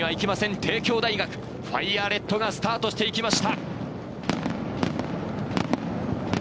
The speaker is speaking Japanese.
帝京大学、ファイヤーレッドがスタートしていきました。